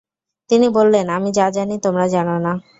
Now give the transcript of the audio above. তিনি বললেন, আমি যা জানি তোমরা জান না।